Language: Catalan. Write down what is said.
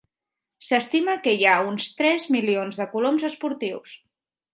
S’estima que hi ha uns tres milions de coloms esportius.